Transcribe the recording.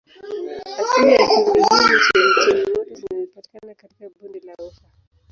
Asili ya chumvi hii ni chemchemi moto zinazopatikana katika bonde la Ufa.